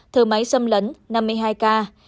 thở máy xâm lẫn năm mươi hai ca